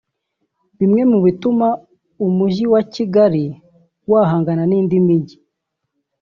Bimwe mu bituma umujyi wa Kigali wahangana n’indi mijyi